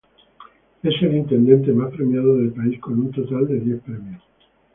Es el intendente más premiado del país con un total de diez premios.